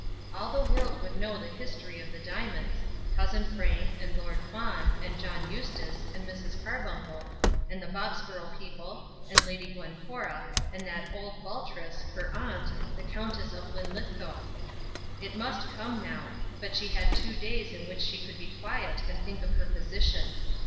All the world would know the history of the diamonds, cousin Frank, and Lord Fawn, and John Eustace, and Mrs. Carbuncle, and the Bobsborough people, and Lady Glencora, and that old vulturess, her aunt, the Countess of Linlithgow. It must come now; but she had two days in which she could be quiet and think of her position.